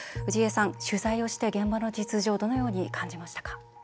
取材をして現場の実情どのように感じましたか？